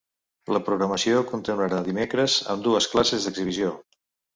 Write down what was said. La programació continuarà dimecres amb dues classes d’exhibició.